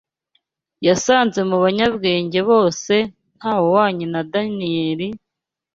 yasanze mu banyabwenge bose nta “wuhwanye na Daniyeli,